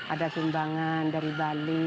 ada sumbangan dari bali